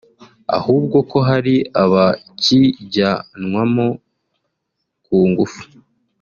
ahubwo ko hari abakijyanwamo ku ngufu